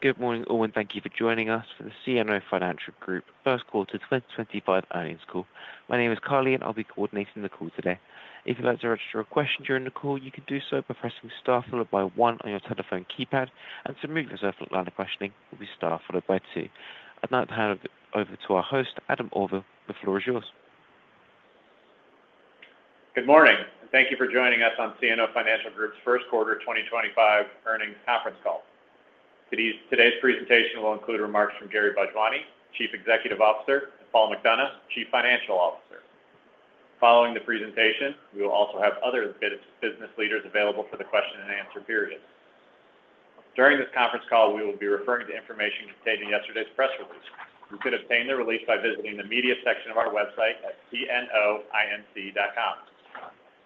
Good morning, all, and thank you for joining us for the CNO Financial Group First Quarter 2025 earnings call. My name is Carly, and I'll be coordinating the call today. If you'd like to register a question during the call, you can do so by pressing star followed by one on your telephone keypad, and to move yourself up the line of questioning, you'll be star followed by two. I'd like to hand over to our host, Adam Auvil. The floor is yours. Good morning, and thank you for joining us on CNO Financial Group's First Quarter 2025 earnings conference call. Today's presentation will include remarks from Gary Bhojwani, Chief Executive Officer, and Paul McDonough, Chief Financial Officer. Following the presentation, we will also have other business leaders available for the question-and-answer period. During this conference call, we will be referring to information contained in yesterday's press release. You can obtain the release by visiting the media section of our website at cnoinc.com.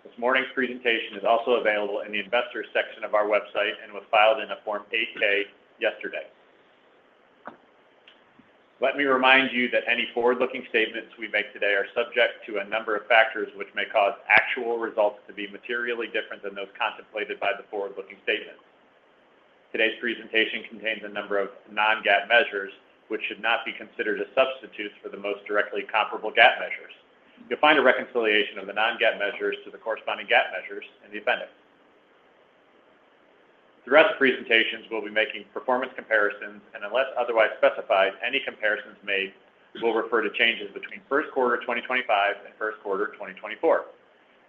This morning's presentation is also available in the investors' section of our website and was filed in a Form 8K yesterday. Let me remind you that any forward-looking statements we make today are subject to a number of factors which may cause actual results to be materially different than those contemplated by the forward-looking statements. Today's presentation contains a number of non-GAAP measures which should not be considered a substitute for the most directly comparable GAAP measures. You'll find a reconciliation of the non-GAAP measures to the corresponding GAAP measures in the appendix. Throughout the presentations, we'll be making performance comparisons, and unless otherwise specified, any comparisons made will refer to changes between First Quarter 2025 and First Quarter 2024.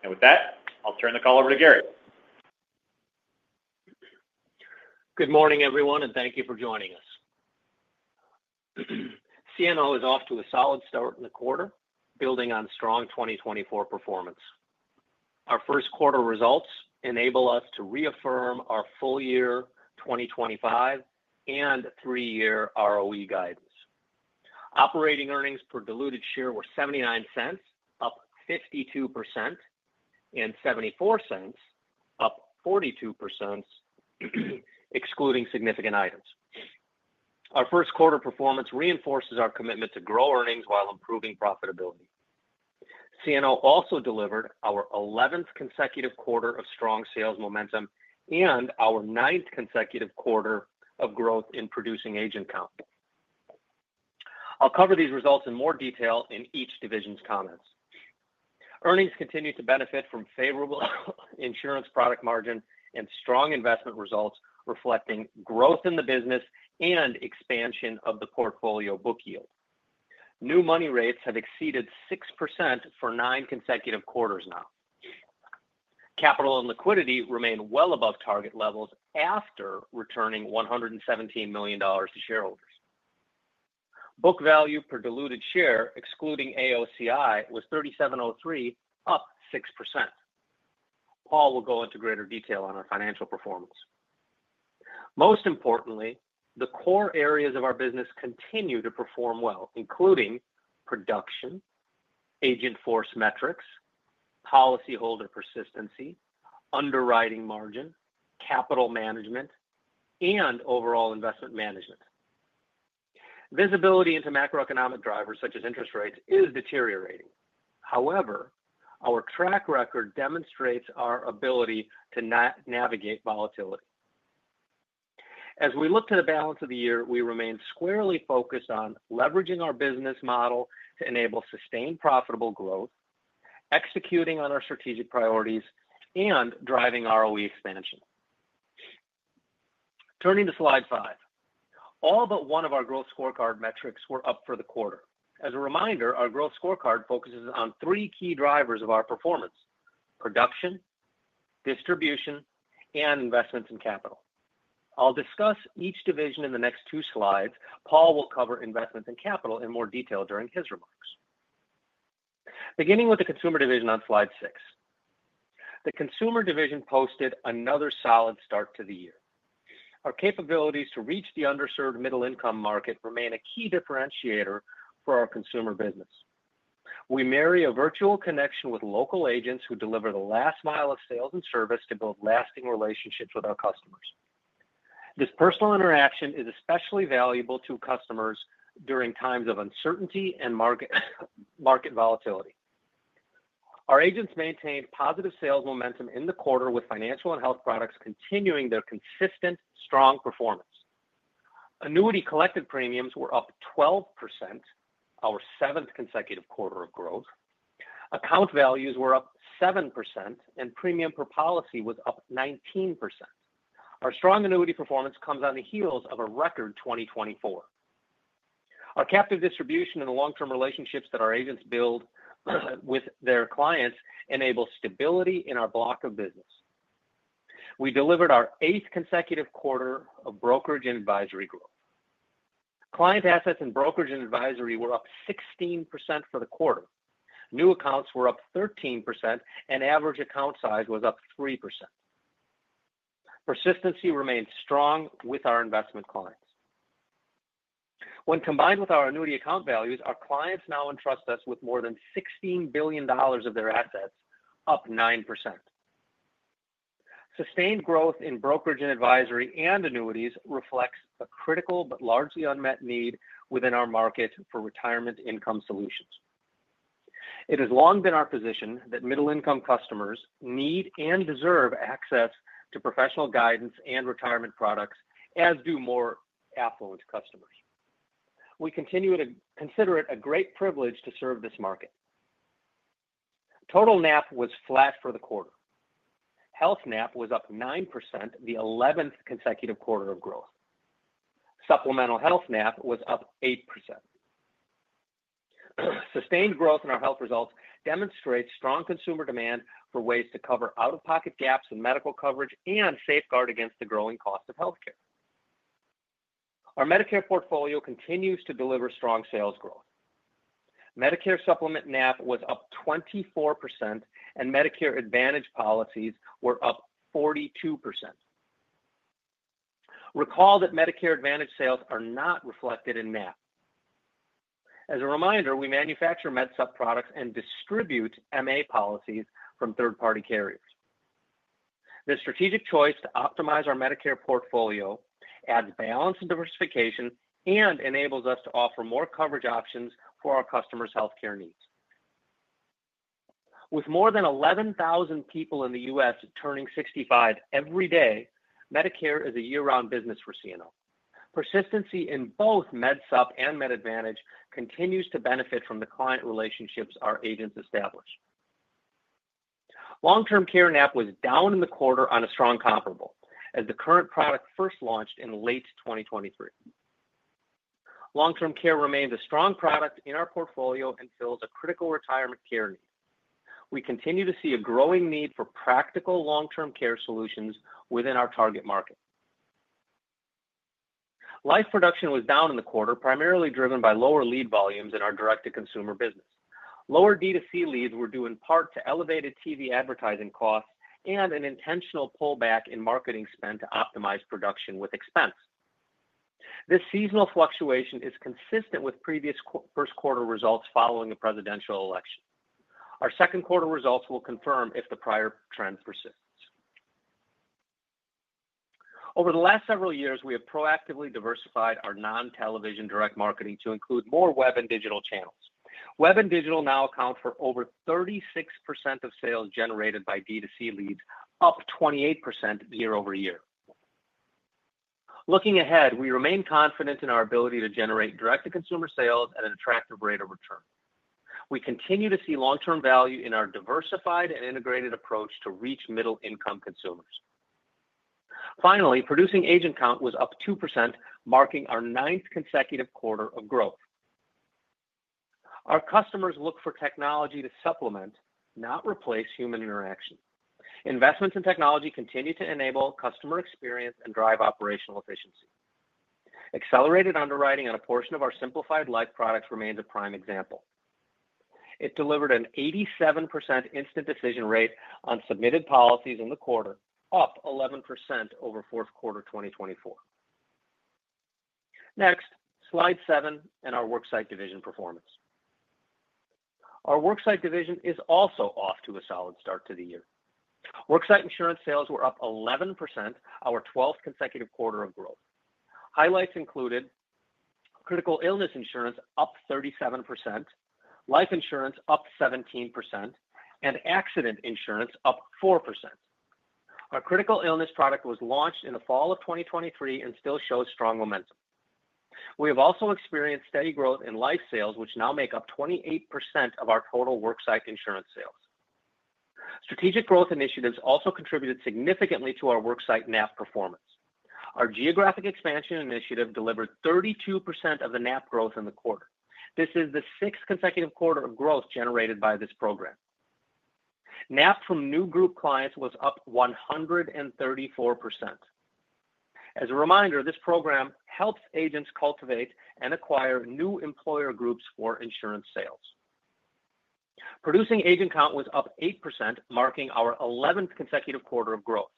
With that, I'll turn the call over to Gary. Good morning, everyone, and thank you for joining us. CNO is off to a solid start in the quarter, building on strong 2024 performance. Our first quarter results enable us to reaffirm our full-year 2025 and three-year ROE guidance. Operating earnings per diluted share were $0.79, up 52%, and $0.74, up 42%, excluding significant items. Our first quarter performance reinforces our commitment to grow earnings while improving profitability. CNO also delivered our 11th consecutive quarter of strong sales momentum and our 9th consecutive quarter of growth in producing agent count. I'll cover these results in more detail in each division's comments. Earnings continue to benefit from favorable insurance product margin and strong investment results reflecting growth in the business and expansion of the portfolio book yield. New money rates have exceeded 6% for nine consecutive quarters now. Capital and liquidity remain well above target levels after returning $117 million to shareholders. Book value per diluted share, excluding AOCI, was $3,703, up 6%. Paul will go into greater detail on our financial performance. Most importantly, the core areas of our business continue to perform well, including production, agent force metrics, policyholder persistency, underwriting margin, capital management, and overall investment management. Visibility into macroeconomic drivers such as interest rates is deteriorating. However, our track record demonstrates our ability to navigate volatility. As we look to the balance of the year, we remain squarely focused on leveraging our business model to enable sustained profitable growth, executing on our strategic priorities, and driving ROE expansion. Turning to slide five, all but one of our growth scorecard metrics were up for the quarter. As a reminder, our growth scorecard focuses on three key drivers of our performance: production, distribution, and investments in capital. I'll discuss each division in the next two slides. Paul will cover investments in capital in more detail during his remarks. Beginning with the consumer division on slide six, the consumer division posted another solid start to the year. Our capabilities to reach the underserved middle-income market remain a key differentiator for our consumer business. We marry a virtual connection with local agents who deliver the last mile of sales and service to build lasting relationships with our customers. This personal interaction is especially valuable to customers during times of uncertainty and market volatility. Our agents maintained positive sales momentum in the quarter, with financial and health products continuing their consistent, strong performance. Annuity collective premiums were up 12%, our seventh consecutive quarter of growth. Account values were up 7%, and premium per policy was up 19%. Our strong annuity performance comes on the heels of a record 2024. Our captive distribution and the long-term relationships that our agents build with their clients enable stability in our block of business. We delivered our eighth consecutive quarter of brokerage and advisory growth. Client assets in brokerage and advisory were up 16% for the quarter. New accounts were up 13%, and average account size was up 3%. Persistency remained strong with our investment clients. When combined with our annuity account values, our clients now entrust us with more than $16 billion of their assets, up 9%. Sustained growth in brokerage and advisory and annuities reflects a critical but largely unmet need within our market for retirement income solutions. It has long been our position that middle-income customers need and deserve access to professional guidance and retirement products, as do more affluent customers. We consider it a great privilege to serve this market. Total NAP was flat for the quarter. Health NAP was up 9%, the 11th consecutive quarter of growth. Supplemental Health NAP was up 8%. Sustained growth in our health results demonstrates strong consumer demand for ways to cover out-of-pocket gaps in medical coverage and safeguard against the growing cost of healthcare. Our Medicare portfolio continues to deliver strong sales growth. Medicare Supplement NAP was up 24%, and Medicare Advantage policies were up 42%. Recall that Medicare Advantage sales are not reflected in NAP. As a reminder, we manufacture med-sub products and distribute MA policies from third-party carriers. This strategic choice to optimize our Medicare portfolio adds balance and diversification and enables us to offer more coverage options for our customers' healthcare needs. With more than 11,000 people in the U.S. turning 65 every day, Medicare is a year-round business for CNO. Persistency in both med-sub and med advantage continues to benefit from the client relationships our agents establish. Long-term care NAP was down in the quarter on a strong comparable as the current product first launched in late 2023. Long-term care remains a strong product in our portfolio and fills a critical retirement care need. We continue to see a growing need for practical long-term care solutions within our target market. Life production was down in the quarter, primarily driven by lower lead volumes in our direct-to-consumer business. Lower D2C leads were due in part to elevated TV advertising costs and an intentional pullback in marketing spend to optimize production with expense. This seasonal fluctuation is consistent with previous first quarter results following the presidential election. Our second quarter results will confirm if the prior trend persists. Over the last several years, we have proactively diversified our non-television direct marketing to include more web and digital channels. Web and digital now account for over 36% of sales generated by D2C leads, up 28% year over year. Looking ahead, we remain confident in our ability to generate direct-to-consumer sales at an attractive rate of return. We continue to see long-term value in our diversified and integrated approach to reach middle-income consumers. Finally, producing agent count was up 2%, marking our ninth consecutive quarter of growth. Our customers look for technology to supplement, not replace, human interaction. Investments in technology continue to enable customer experience and drive operational efficiency. Accelerated underwriting on a portion of our simplified life products remains a prime example. It delivered an 87% instant decision rate on submitted policies in the quarter, up 11% over fourth quarter 2024. Next, slide seven and our worksite division performance. Our worksite division is also off to a solid start to the year. Worksite insurance sales were up 11%, our 12th consecutive quarter of growth. Highlights included critical illness insurance, up 37%, life insurance, up 17%, and accident insurance, up 4%. Our critical illness product was launched in the fall of 2023 and still shows strong momentum. We have also experienced steady growth in life sales, which now make up 28% of our total worksite insurance sales. Strategic growth initiatives also contributed significantly to our worksite NAP performance. Our geographic expansion initiative delivered 32% of the NAP growth in the quarter. This is the sixth consecutive quarter of growth generated by this program. NAP from new group clients was up 134%. As a reminder, this program helps agents cultivate and acquire new employer groups for insurance sales. Producing agent count was up 8%, marking our 11th consecutive quarter of growth.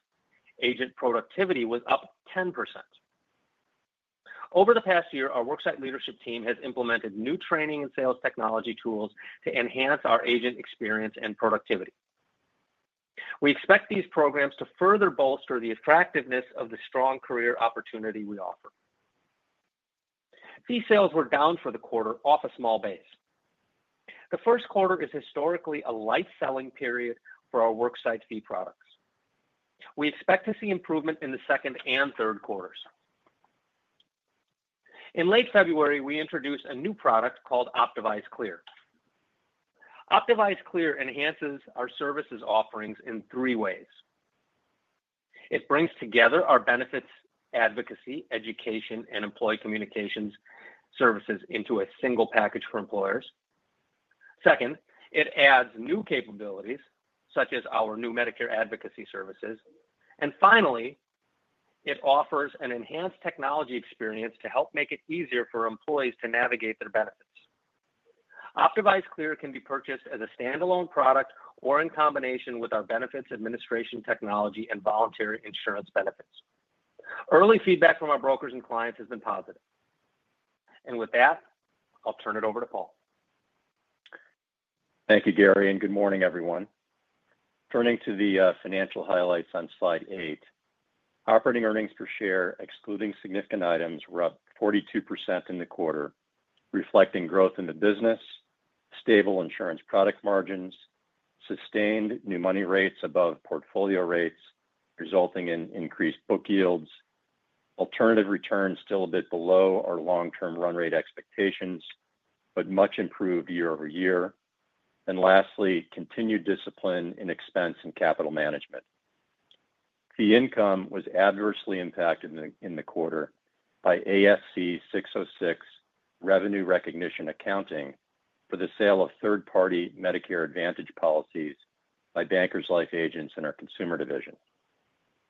Agent productivity was up 10%. Over the past year, our worksite leadership team has implemented new training and sales technology tools to enhance our agent experience and productivity. We expect these programs to further bolster the attractiveness of the strong career opportunity we offer. Fee sales were down for the quarter, off a small base. The first quarter is historically a light-selling period for our worksite fee products. We expect to see improvement in the second and third quarters. In late February, we introduced a new product called Optivise Clear. Optivise Clear enhances our services offerings in three ways. It brings together our benefits, advocacy, education, and employee communications services into a single package for employers. Second, it adds new capabilities, such as our new Medicare advocacy services. Finally, it offers an enhanced technology experience to help make it easier for employees to navigate their benefits. Optivise Clear can be purchased as a standalone product or in combination with our benefits, administration technology, and voluntary insurance benefits. Early feedback from our brokers and clients has been positive. With that, I'll turn it over to Paul. Thank you, Gary, and good morning, everyone. Turning to the financial highlights on slide eight, operating earnings per share, excluding significant items, were up 42% in the quarter, reflecting growth in the business, stable insurance product margins, sustained new money rates above portfolio rates, resulting in increased book yields, alternative returns still a bit below our long-term run rate expectations, but much improved year over year. Lastly, continued discipline in expense and capital management. Fee income was adversely impacted in the quarter by ASC 606 revenue recognition accounting for the sale of third-party Medicare Advantage policies by Bankers Life agents in our consumer division.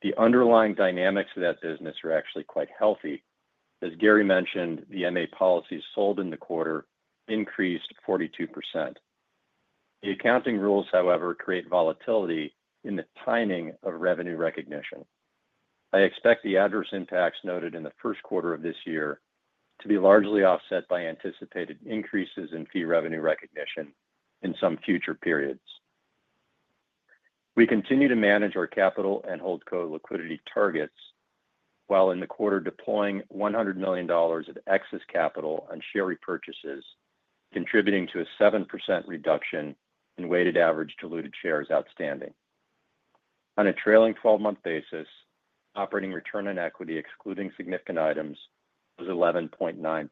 The underlying dynamics of that business are actually quite healthy. As Gary mentioned, the MA policies sold in the quarter increased 42%. The accounting rules, however, create volatility in the timing of revenue recognition. I expect the adverse impacts noted in the first quarter of this year to be largely offset by anticipated increases in fee revenue recognition in some future periods. We continue to manage our capital and hold code liquidity targets while in the quarter deploying $100 million of excess capital on share repurchases, contributing to a 7% reduction in weighted average diluted shares outstanding. On a trailing 12-month basis, operating return on equity, excluding significant items, was 11.9%.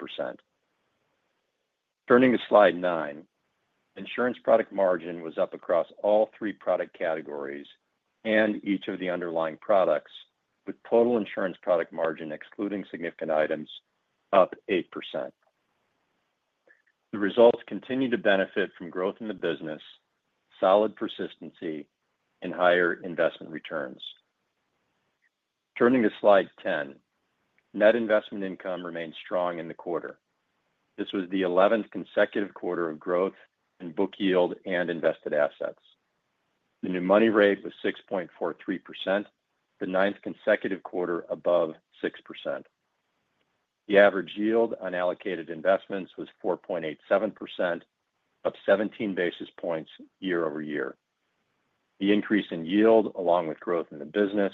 Turning to slide nine, insurance product margin was up across all three product categories and each of the underlying products, with total insurance product margin, excluding significant items, up 8%. The results continue to benefit from growth in the business, solid persistency, and higher investment returns. Turning to slide 10, net investment income remained strong in the quarter. This was the 11th consecutive quarter of growth in book yield and invested assets. The new money rate was 6.43%, the ninth consecutive quarter above 6%. The average yield on allocated investments was 4.87%, up 17 basis points year over year. The increase in yield, along with growth in the business,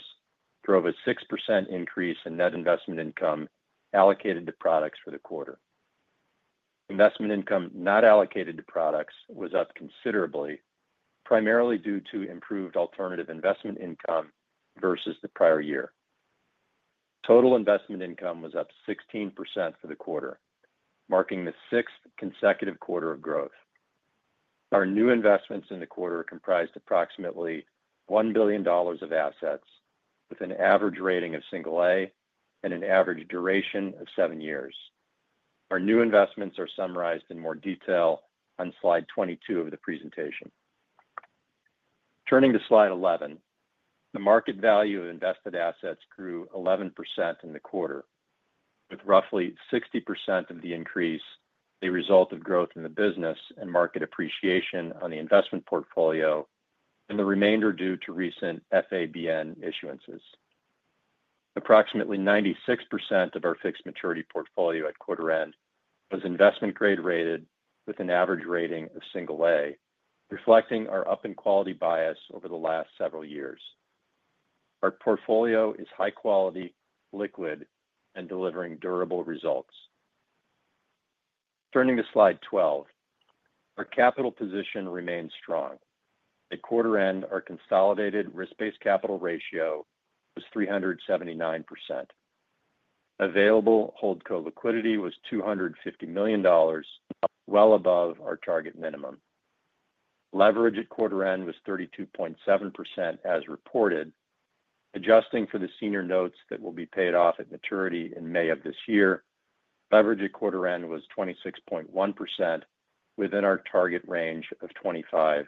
drove a 6% increase in net investment income allocated to products for the quarter. Investment income not allocated to products was up considerably, primarily due to improved alternative investment income versus the prior year. Total investment income was up 16% for the quarter, marking the sixth consecutive quarter of growth. Our new investments in the quarter comprised approximately $1 billion of assets, with an average rating of single A and an average duration of seven years. Our new investments are summarized in more detail on slide 22 of the presentation. Turning to slide 11, the market value of invested assets grew 11% in the quarter, with roughly 60% of the increase a result of growth in the business and market appreciation on the investment portfolio, and the remainder due to recent FABN issuances. Approximately 96% of our fixed maturity portfolio at quarter end was investment-grade rated, with an average rating of single A, reflecting our up in quality bias over the last several years. Our portfolio is high quality, liquid, and delivering durable results. Turning to slide 12, our capital position remains strong. At quarter end, our consolidated risk-based capital ratio was 379%. Available hold co liquidity was $250 million, well above our target minimum. Leverage at quarter end was 32.7%, as reported, adjusting for the senior notes that will be paid off at maturity in May of this year. Leverage at quarter end was 26.1%, within our target range of 25-28%.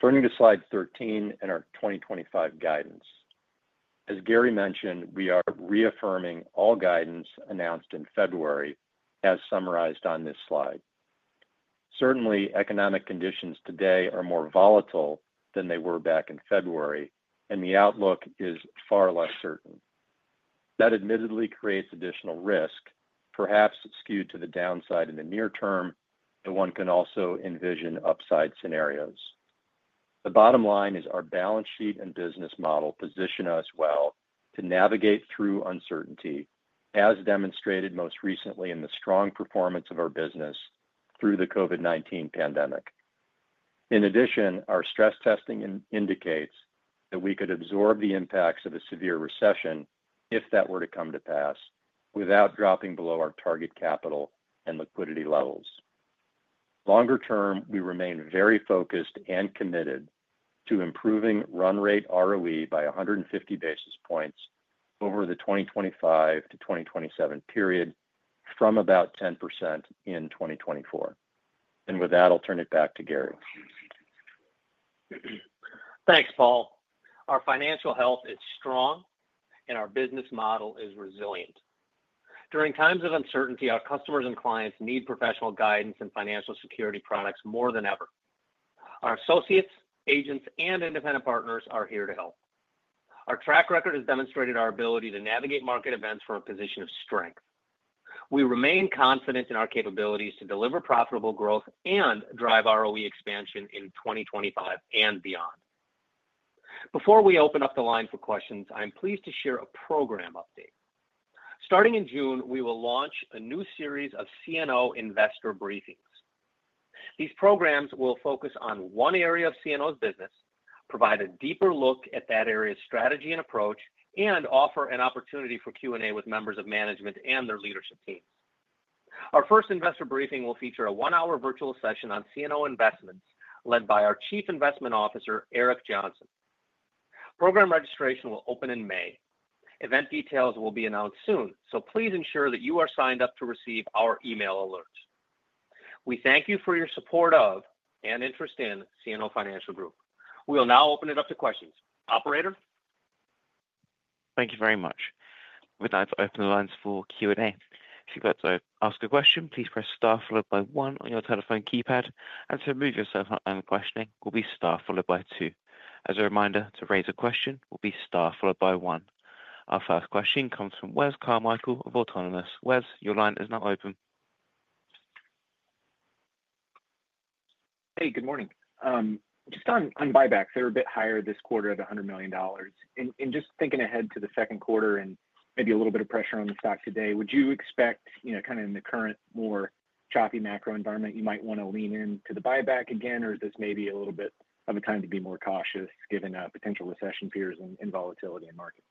Turning to slide 13 and our 2025 guidance. As Gary mentioned, we are reaffirming all guidance announced in February, as summarized on this slide. Certainly, economic conditions today are more volatile than they were back in February, and the outlook is far less certain. That admittedly creates additional risk, perhaps skewed to the downside in the near term, but one can also envision upside scenarios. The bottom line is our balance sheet and business model position us well to navigate through uncertainty, as demonstrated most recently in the strong performance of our business through the COVID-19 pandemic. In addition, our stress testing indicates that we could absorb the impacts of a severe recession if that were to come to pass without dropping below our target capital and liquidity levels. Longer term, we remain very focused and committed to improving run rate ROE by 150 basis points over the 2025-2027 period from about 10% in 2024. With that, I'll turn it back to Gary. Thanks, Paul. Our financial health is strong, and our business model is resilient. During times of uncertainty, our customers and clients need professional guidance and financial security products more than ever. Our associates, agents, and independent partners are here to help. Our track record has demonstrated our ability to navigate market events from a position of strength. We remain confident in our capabilities to deliver profitable growth and drive ROE expansion in 2025 and beyond. Before we open up the line for questions, I'm pleased to share a program update. Starting in June, we will launch a new series of CNO investor briefings. These programs will focus on one area of CNO's business, provide a deeper look at that area's strategy and approach, and offer an opportunity for Q&A with members of management and their leadership teams. Our first investor briefing will feature a one-hour virtual session on CNO investments led by our Chief Investment Officer, Eric Johnson. Program registration will open in May. Event details will be announced soon, please ensure that you are signed up to receive our email alerts. We thank you for your support of and interest in CNO Financial Group. We will now open it up to questions. Operator. Thank you very much. With that, I've opened the lines for Q&A. If you'd like to ask a question, please press star followed by one on your telephone keypad, and to move yourself online questioning will be star followed by two. As a reminder, to raise a question will be star followed by one. Our first question comes from Wes Carmichael of Autonomous. Wes, your line is now open. Hey, good morning. Just on buybacks, they're a bit higher this quarter at $100 million. Just thinking ahead to the second quarter and maybe a little bit of pressure on the stock today, would you expect, kind of in the current more choppy macro environment, you might want to lean into the buyback again, or is this maybe a little bit of a time to be more cautious given potential recession fears and volatility in markets?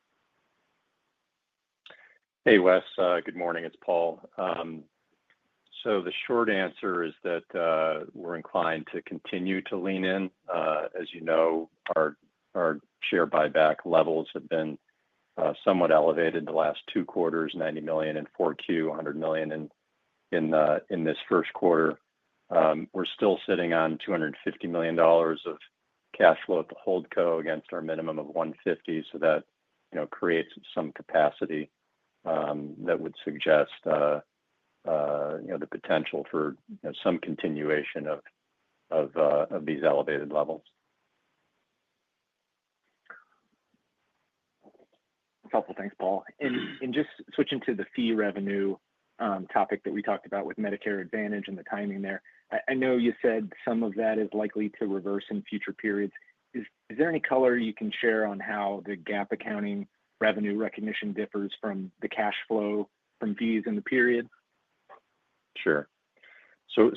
Hey, Wes, good morning. It's Paul. The short answer is that we're inclined to continue to lean in. As you know, our share buyback levels have been somewhat elevated the last two quarters, $90 million in Q4, $100 million in this first quarter. We're still sitting on $250 million of cash flow at the hold co against our minimum of $150 million, so that creates some capacity that would suggest the potential for some continuation of these elevated levels. Couple of things, Paul. Just switching to the fee revenue topic that we talked about with Medicare Advantage and the timing there, I know you said some of that is likely to reverse in future periods. Is there any color you can share on how the GAAP accounting revenue recognition differs from the cash flow from fees in the period? Sure.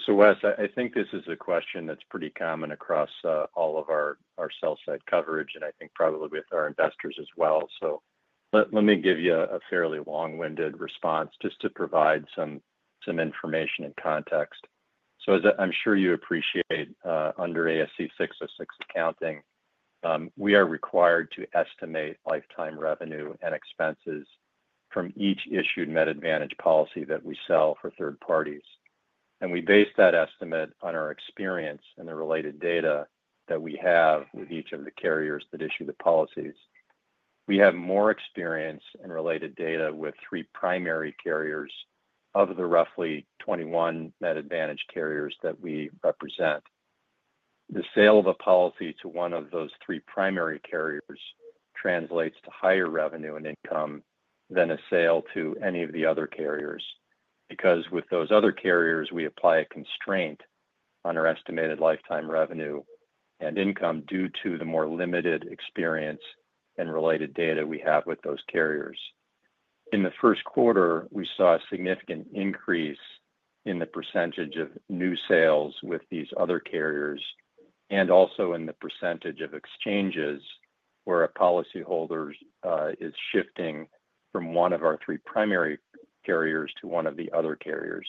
Wes, I think this is a question that's pretty common across all of our sell-side coverage, and I think probably with our investors as well. Let me give you a fairly long-winded response just to provide some information and context. As I'm sure you appreciate, under ASC 606 accounting, we are required to estimate lifetime revenue and expenses from each issued Net Advantage policy that we sell for third parties. We base that estimate on our experience and the related data that we have with each of the carriers that issue the policies. We have more experience and related data with three primary carriers of the roughly 21 Net Advantage carriers that we represent. The sale of a policy to one of those three primary carriers translates to higher revenue and income than a sale to any of the other carriers because with those other carriers, we apply a constraint on our estimated lifetime revenue and income due to the more limited experience and related data we have with those carriers. In the first quarter, we saw a significant increase in the percentage of new sales with these other carriers and also in the percentage of exchanges where a policyholder is shifting from one of our three primary carriers to one of the other carriers.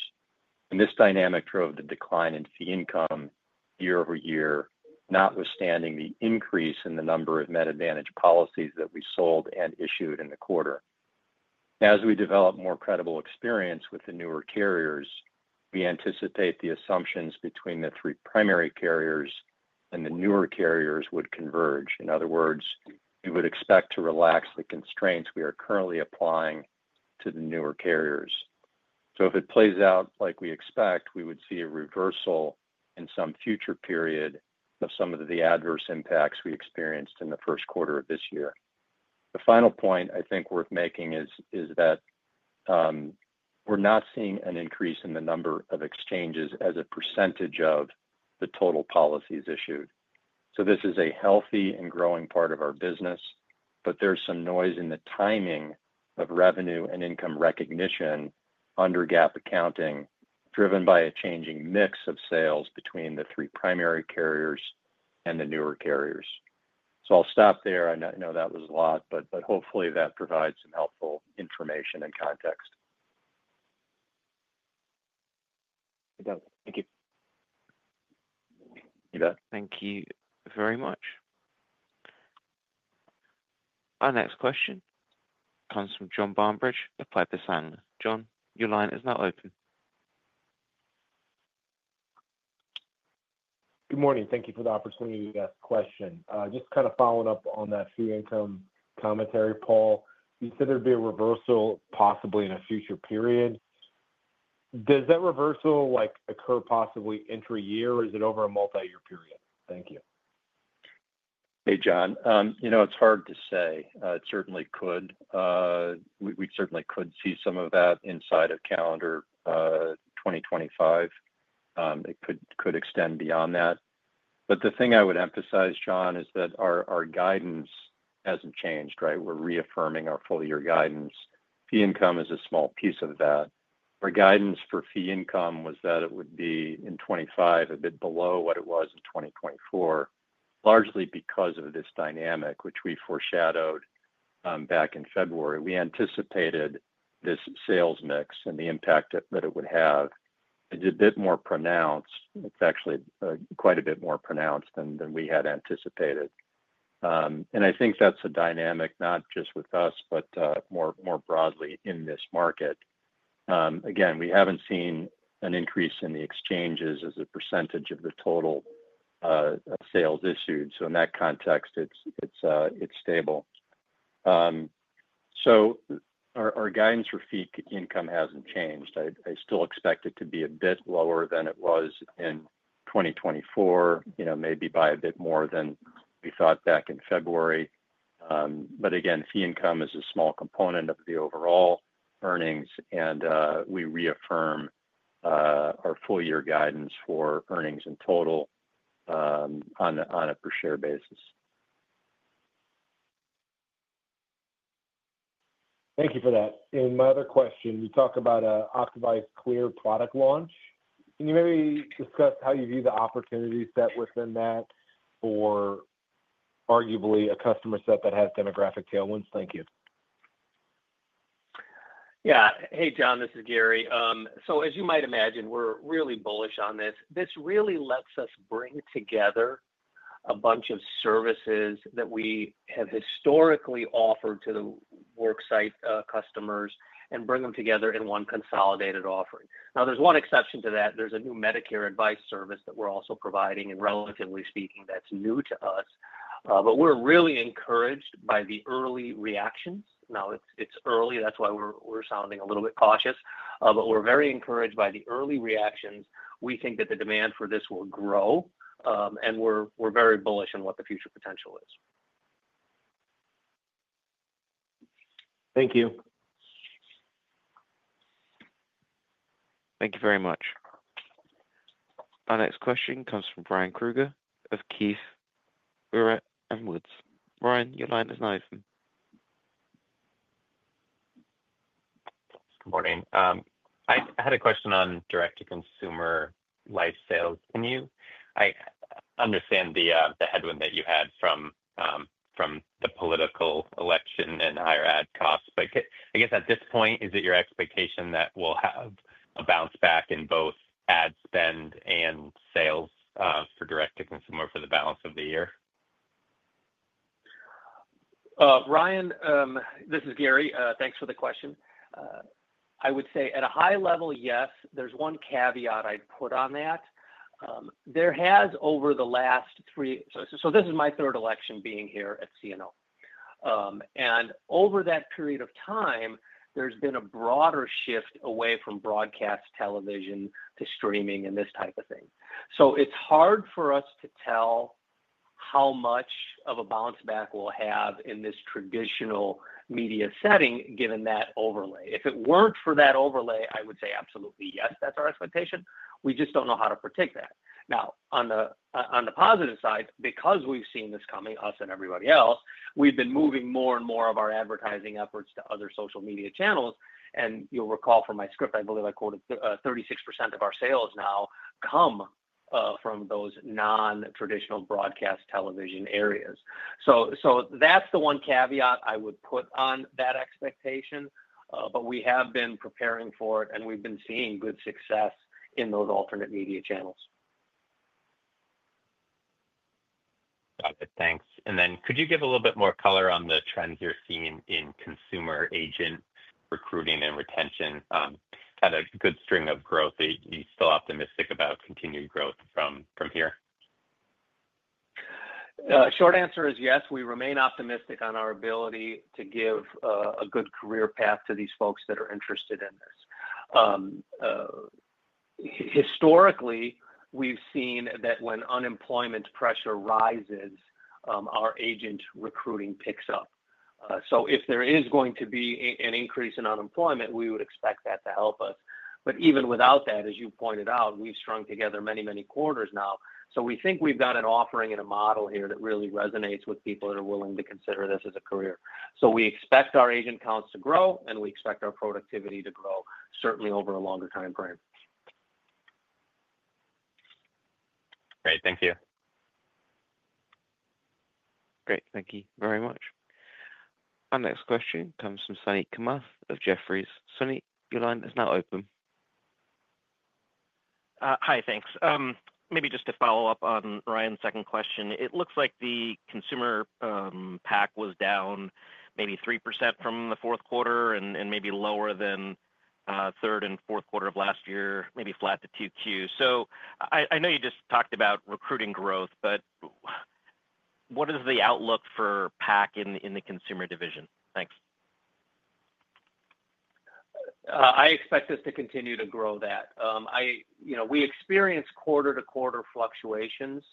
This dynamic drove the decline in fee income year over year, notwithstanding the increase in the number of Net Advantage policies that we sold and issued in the quarter. As we develop more credible experience with the newer carriers, we anticipate the assumptions between the three primary carriers and the newer carriers would converge. In other words, we would expect to relax the constraints we are currently applying to the newer carriers. If it plays out like we expect, we would see a reversal in some future period of some of the adverse impacts we experienced in the first quarter of this year. The final point I think worth making is that we're not seeing an increase in the number of exchanges as a percentage of the total policies issued. This is a healthy and growing part of our business, but there's some noise in the timing of revenue and income recognition under GAAP accounting driven by a changing mix of sales between the three primary carriers and the newer carriers. I'll stop there. I know that was a lot, but hopefully that provides some helpful information and context. Thank you. You bet. Thank you very much. Our next question comes from John Barmbridge, Applied to SAN. John, your line is now open. Good morning. Thank you for the opportunity to ask a question. Just kind of following up on that fee income commentary, Paul, you said there'd be a reversal possibly in a future period. Does that reversal occur possibly interyear, or is it over a multi-year period? Thank you. Hey, John. You know it's hard to say. It certainly could. We certainly could see some of that inside of calendar 2025. It could extend beyond that. The thing I would emphasize, John, is that our guidance hasn't changed, right? We're reaffirming our full-year guidance. Fee income is a small piece of that. Our guidance for fee income was that it would be in 2025 a bit below what it was in 2024, largely because of this dynamic, which we foreshadowed back in February. We anticipated this sales mix and the impact that it would have. It's a bit more pronounced. It's actually quite a bit more pronounced than we had anticipated. I think that's a dynamic not just with us, but more broadly in this market. Again, we haven't seen an increase in the exchanges as a percentage of the total sales issued. In that context, it's stable. Our guidance for fee income hasn't changed. I still expect it to be a bit lower than it was in 2024, maybe by a bit more than we thought back in February. Again, fee income is a small component of the overall earnings, and we reaffirm our full-year guidance for earnings in total on a per-share basis. Thank you for that. In my other question, you talk about an Optavise Clear product launch. Can you maybe discuss how you view the opportunity set within that for arguably a customer set that has demographic tailwinds? Thank you. Yeah. Hey, John, this is Gary. As you might imagine, we're really bullish on this. This really lets us bring together a bunch of services that we have historically offered to the worksite customers and bring them together in one consolidated offering. Now, there's one exception to that. There's a new Medicare advice service that we're also providing, and relatively speaking, that's new to us. We're really encouraged by the early reactions. Now, it's early. That's why we're sounding a little bit cautious. We're very encouraged by the early reactions. We think that the demand for this will grow, and we're very bullish on what the future potential is. Thank you. Thank you very much. Our next question comes from Brian Kruger of Keefe, Bruyette & Woods. Brian, your line is now open. Good morning. I had a question on direct-to-consumer life sales. I understand the headwind that you had from the political election and higher ad costs, but I guess at this point, is it your expectation that we'll have a bounce back in both ad spend and sales for direct-to-consumer for the balance of the year? Ryan, this is Gary. Thanks for the question. I would say at a high level, yes. There is one caveat I would put on that. There has over the last three—so this is my third election being here at CNO. And over that period of time, there has been a broader shift away from broadcast television to streaming and this type of thing. It is hard for us to tell how much of a bounce back we will have in this traditional media setting given that overlay. If it were not for that overlay, I would say absolutely yes, that is our expectation. We just do not know how to predict that. Now, on the positive side, because we have seen this coming, us and everybody else, we have been moving more and more of our advertising efforts to other social media channels. You'll recall from my script, I believe I quoted, 36% of our sales now come from those non-traditional broadcast television areas. That's the one caveat I would put on that expectation. We have been preparing for it, and we've been seeing good success in those alternate media channels. Got it. Thanks. Could you give a little bit more color on the trends you're seeing in consumer agent recruiting and retention? Had a good string of growth. Are you still optimistic about continued growth from here? Short answer is yes. We remain optimistic on our ability to give a good career path to these folks that are interested in this. Historically, we've seen that when unemployment pressure rises, our agent recruiting picks up. If there is going to be an increase in unemployment, we would expect that to help us. Even without that, as you pointed out, we've strung together many, many quarters now. We think we've got an offering and a model here that really resonates with people that are willing to consider this as a career. We expect our agent counts to grow, and we expect our productivity to grow, certainly over a longer time frame. Great. Thank you. Great. Thank you very much. Our next question comes from Sunny Kamath of Jefferies. Sunny, your line is now open. Hi, thanks. Maybe just to follow up on Ryan's second question. It looks like the consumer PAC was down maybe 3% from the fourth quarter and maybe lower than third and fourth quarter of last year, maybe flat to 2Q. I know you just talked about recruiting growth, but what is the outlook for PAC in the consumer division? Thanks. I expect us to continue to grow that. We experience quarter-to-quarter fluctuations.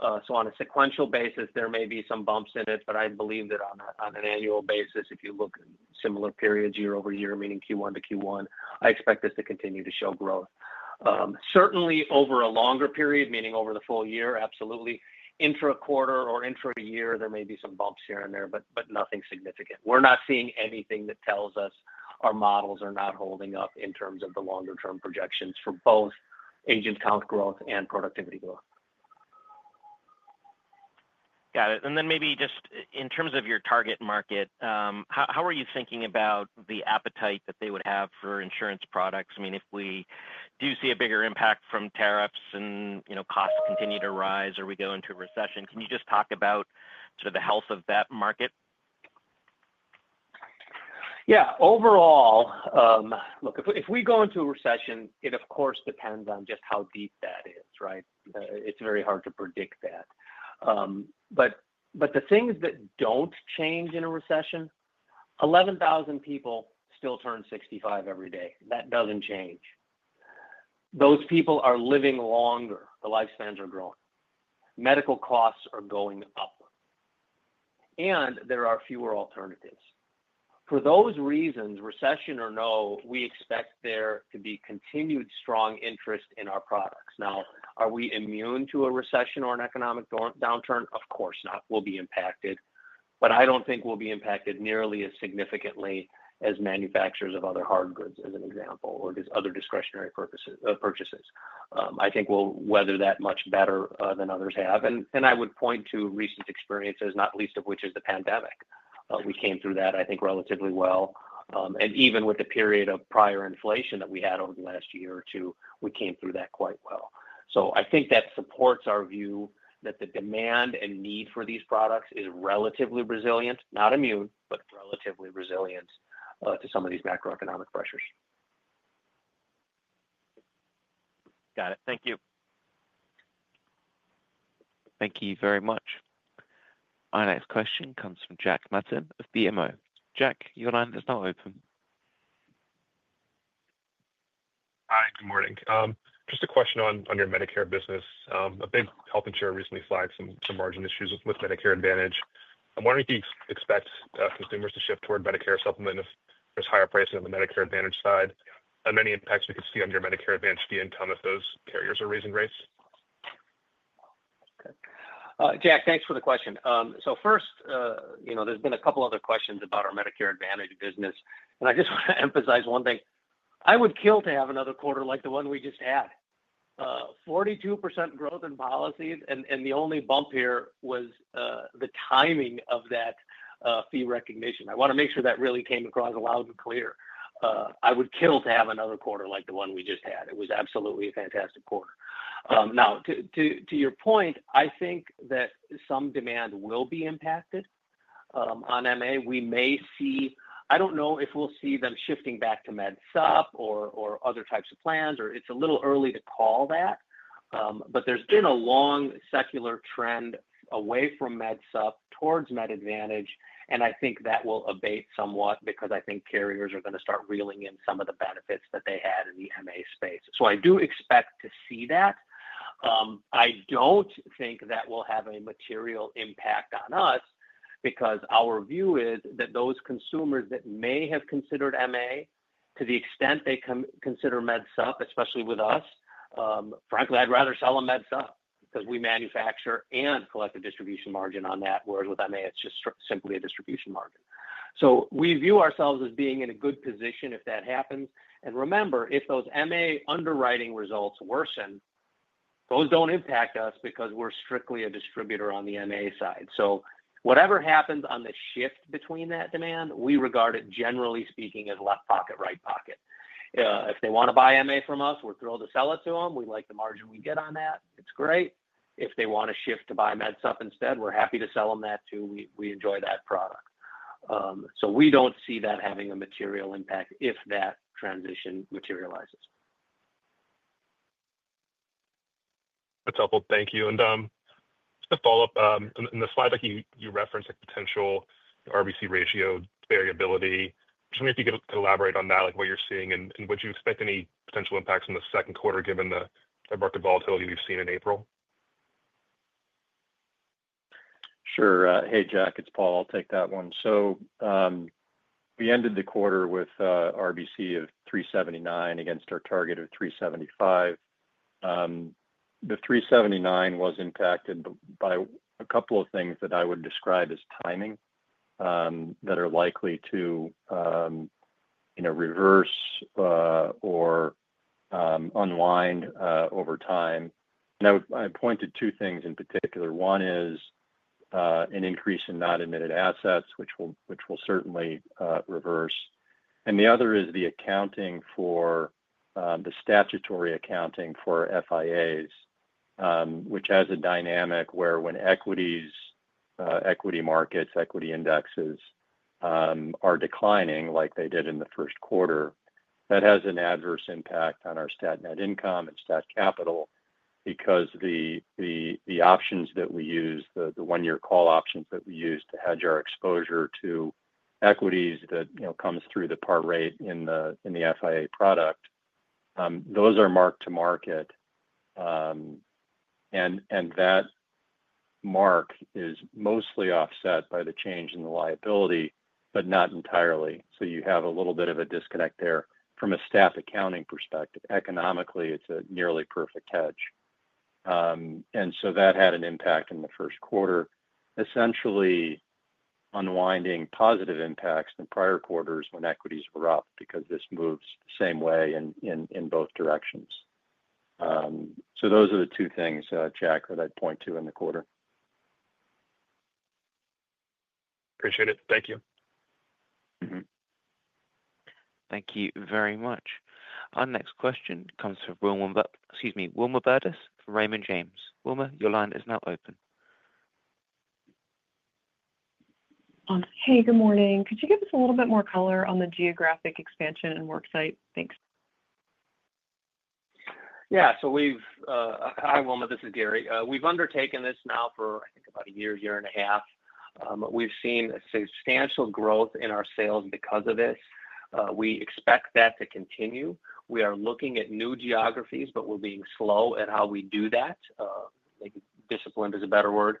On a sequential basis, there may be some bumps in it, but I believe that on an annual basis, if you look at similar periods year over year, meaning Q1 to Q1, I expect us to continue to show growth. Certainly, over a longer period, meaning over the full year, absolutely. Into a quarter or into a year, there may be some bumps here and there, but nothing significant. We're not seeing anything that tells us our models are not holding up in terms of the longer-term projections for both agent count growth and productivity growth. Got it. Maybe just in terms of your target market, how are you thinking about the appetite that they would have for insurance products? I mean, if we do see a bigger impact from tariffs and costs continue to rise or we go into a recession, can you just talk about sort of the health of that market? Yeah. Overall, look, if we go into a recession, it of course depends on just how deep that is, right? It's very hard to predict that. The things that don't change in a recession, 11,000 people still turn 65 every day. That doesn't change. Those people are living longer. The lifespans are growing. Medical costs are going up. There are fewer alternatives. For those reasons, recession or no, we expect there to be continued strong interest in our products. Now, are we immune to a recession or an economic downturn? Of course not. We'll be impacted. I don't think we'll be impacted nearly as significantly as manufacturers of other hard goods, as an example, or just other discretionary purchases. I think we'll weather that much better than others have. I would point to recent experiences, not least of which is the pandemic. We came through that, I think, relatively well. Even with the period of prior inflation that we had over the last year or two, we came through that quite well. I think that supports our view that the demand and need for these products is relatively resilient, not immune, but relatively resilient to some of these macroeconomic pressures. Got it. Thank you. Thank you very much. Our next question comes from Jack Matton of BMO. Jack, your line is now open. Hi, good morning. Just a question on your Medicare business. A big health insurer recently flagged some margin issues with Medicare Advantage. I'm wondering if you expect consumers to shift toward Medicare supplement if there's higher pricing on the Medicare Advantage side. How many impacts would you see on your Medicare Advantage fee income if those carriers are raising rates? Jack, thanks for the question. First, there have been a couple of other questions about our Medicare Advantage business. I just want to emphasize one thing. I would kill to have another quarter like the one we just had. 42% growth in policies, and the only bump here was the timing of that fee recognition. I want to make sure that really came across loud and clear. I would kill to have another quarter like the one we just had. It was absolutely a fantastic quarter. Now, to your point, I think that some demand will be impacted on MA. We may see—I do not know if we will see them shifting back to MedSup or other types of plans, or it is a little early to call that. There has been a long secular trend away from MedSup towards MedAdvantage. I think that will abate somewhat because I think carriers are going to start reeling in some of the benefits that they had in the MA space. I do expect to see that. I do not think that will have a material impact on us because our view is that those consumers that may have considered MA, to the extent they consider MedSup, especially with us, frankly, I'd rather sell them MedSup because we manufacture and collect a distribution margin on that, whereas with MA, it's just simply a distribution margin. We view ourselves as being in a good position if that happens. Remember, if those MA underwriting results worsen, those do not impact us because we are strictly a distributor on the MA side. Whatever happens on the shift between that demand, we regard it, generally speaking, as left pocket, right pocket. If they want to buy MA from us, we're thrilled to sell it to them. We like the margin we get on that. It's great. If they want to shift to buy MedSup instead, we're happy to sell them that too. We enjoy that product. We don't see that having a material impact if that transition materializes. That's helpful. Thank you. Just to follow up, in the slide deck, you referenced potential RBC ratio variability. I'm just wondering if you could elaborate on that, what you're seeing, and would you expect any potential impacts in the second quarter given the market volatility we've seen in April? Sure. Hey, Jack, it's Paul. I'll take that one. We ended the quarter with RBC of 379 against our target of 375. The 379 was impacted by a couple of things that I would describe as timing that are likely to reverse or unwind over time. I point to two things in particular. One is an increase in non-admitted assets, which will certainly reverse. The other is the accounting for the statutory accounting for FIAs, which has a dynamic where when equities, equity markets, equity indexes are declining like they did in the first quarter, that has an adverse impact on our stat net income and stat capital because the options that we use, the one-year call options that we use to hedge our exposure to equities that comes through the par rate in the FIA product, those are marked to market. That mark is mostly offset by the change in the liability, but not entirely. You have a little bit of a disconnect there from a stat accounting perspective. Economically, it is a nearly perfect hedge. That had an impact in the first quarter, essentially unwinding positive impacts in prior quarters when equities were up because this moves the same way in both directions. Those are the two things, Jack, that I would point to in the quarter. Appreciate it. Thank you. Thank you very much. Our next question comes from Wilma, excuse me, Wilma Berdus from Raymond James. Wilma, your line is now open. Hey, good morning. Could you give us a little bit more color on the geographic expansion and worksite? Thanks. Yeah. Hi, Wilma. This is Gary. We've undertaken this now for, I think, about a year, year and a half. We've seen substantial growth in our sales because of this. We expect that to continue. We are looking at new geographies, but we're being slow at how we do that. Discipline is a better word.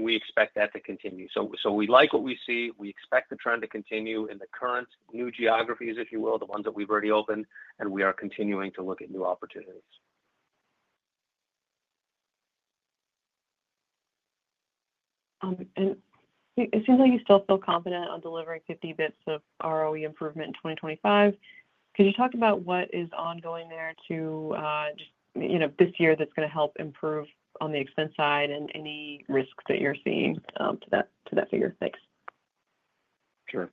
We expect that to continue. We like what we see. We expect the trend to continue in the current new geographies, if you will, the ones that we've already opened, and we are continuing to look at new opportunities. It seems like you still feel confident on delivering 50 basis points of ROE improvement in 2025. Could you talk about what is ongoing there to this year that's going to help improve on the expense side and any risks that you're seeing to that figure? Thanks. Sure.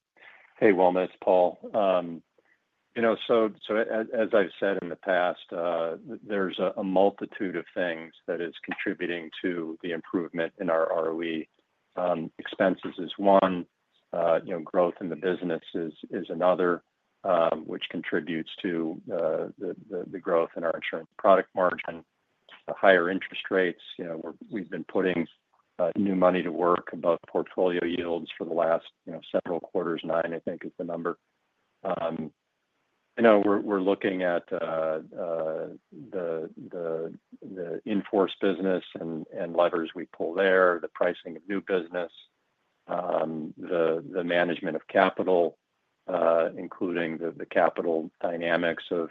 Hey, Wilma. It's Paul. As I've said in the past, there's a multitude of things that is contributing to the improvement in our ROE. Expenses is one. Growth in the business is another, which contributes to the growth in our insurance product margin. The higher interest rates, we've been putting new money to work above portfolio yields for the last several quarters. Nine, I think, is the number. We're looking at the enforced business and levers we pull there, the pricing of new business, the management of capital, including the capital dynamics of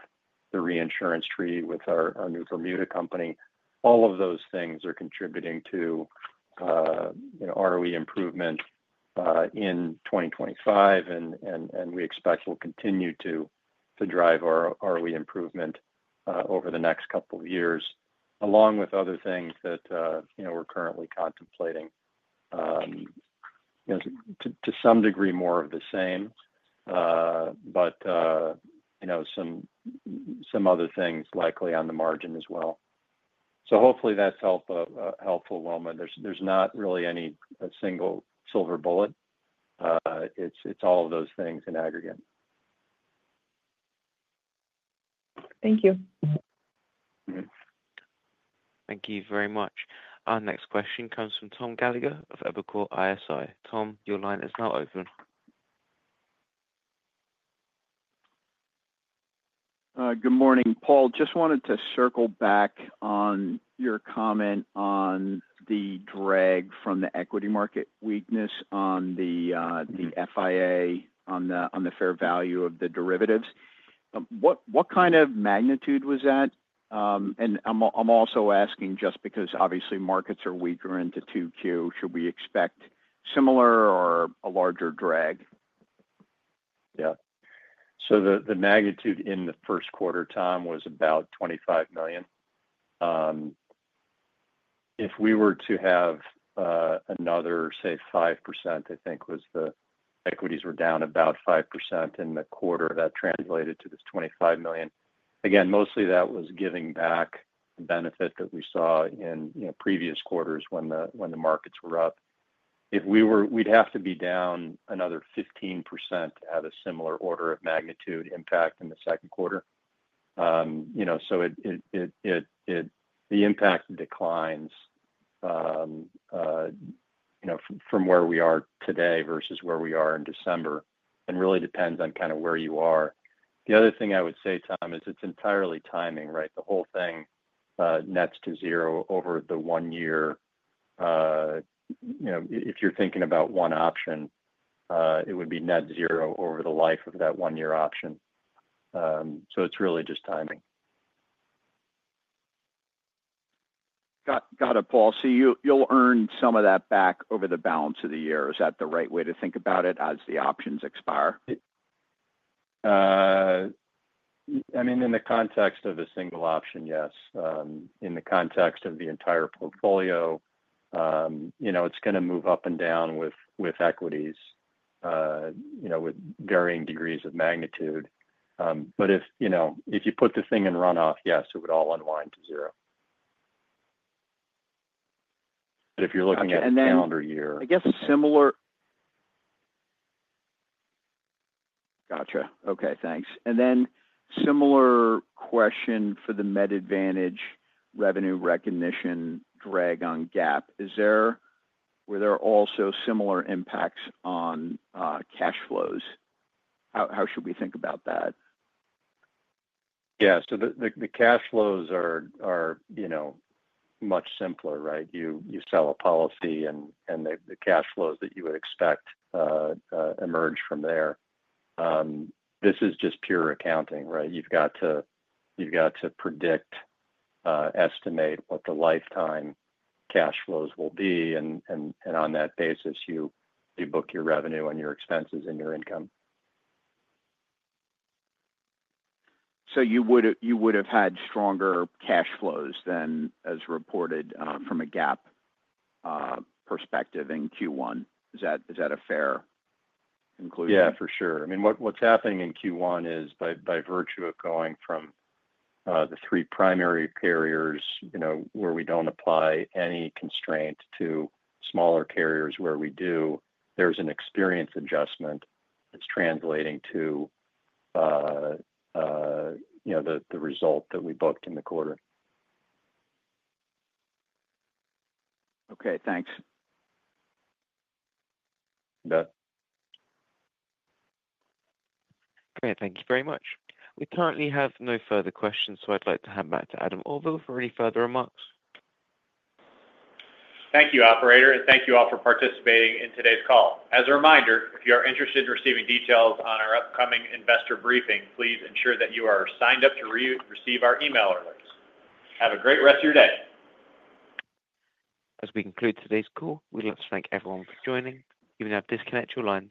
the reinsurance tree with our new Bermuda company. All of those things are contributing to ROE improvement in 2025, and we expect we'll continue to drive our ROE improvement over the next couple of years, along with other things that we're currently contemplating. To some degree, more of the same, but some other things likely on the margin as well. Hopefully that's helpful, Wilma. There's not really any single silver bullet. It's all of those things in aggregate. Thank you. Thank you very much. Our next question comes from Tom Gallagher of Evercore ISI. Tom, your line is now open. Good morning. Paul, just wanted to circle back on your comment on the drag from the equity market weakness on the FIA, on the fair value of the derivatives. What kind of magnitude was that? I am also asking just because, obviously, markets are weaker into 2Q. Should we expect similar or a larger drag? Yeah. The magnitude in the first quarter time was about $25 million. If we were to have another, say, 5%, I think the equities were down about 5% in the quarter, that translated to this $25 million. Again, mostly that was giving back the benefit that we saw in previous quarters when the markets were up. We'd have to be down another 15% to have a similar order of magnitude impact in the second quarter. The impact declines from where we are today versus where we were in December and really depends on kind of where you are. The other thing I would say, Tom, is it's entirely timing, right? The whole thing nets to zero over the one year. If you're thinking about one option, it would be net zero over the life of that one-year option. It's really just timing. Got it, Paul. You'll earn some of that back over the balance of the year. Is that the right way to think about it as the options expire? I mean, in the context of a single option, yes. In the context of the entire portfolio, it's going to move up and down with equities with varying degrees of magnitude. If you put the thing in runoff, yes, it would all unwind to zero. If you're looking at a calendar year. I guess similar. Gotcha. Okay. Thanks. And then similar question for the MedAdvantage revenue recognition drag on GAAP. Were there also similar impacts on cash flows? How should we think about that? Yeah. The cash flows are much simpler, right? You sell a policy, and the cash flows that you would expect emerge from there. This is just pure accounting, right? You have to predict, estimate what the lifetime cash flows will be, and on that basis, you book your revenue and your expenses and your income. You would have had stronger cash flows than as reported from a GAAP perspective in Q1. Is that a fair conclusion? Yeah, for sure. I mean, what's happening in Q1 is, by virtue of going from the three primary carriers where we don't apply any constraint to smaller carriers where we do, there's an experience adjustment that's translating to the result that we booked in the quarter. Okay. Thanks. You bet. Okay. Thank you very much. We currently have no further questions, so I'd like to hand back to Adam Auvil for any further remarks. Thank you, operator, and thank you all for participating in today's call. As a reminder, if you are interested in receiving details on our upcoming investor briefing, please ensure that you are signed up to receive our email alerts. Have a great rest of your day. As we conclude today's call, we'd like to thank everyone for joining. You may now disconnect your line.